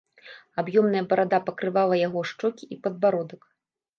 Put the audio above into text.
Аб'ёмная барада пакрывала яго шчокі і падбародак.